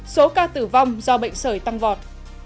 số ca tử vong do bệnh sởi tăng vọt